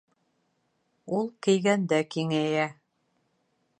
Ул кейгәндә киңәйә